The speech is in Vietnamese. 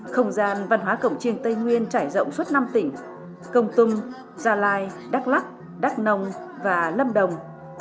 không gian văn hóa cổng chiêng tây nguyên trải rộng suốt năm tỉnh công tung gia lai đắk lắc đắk nông và lâm đồng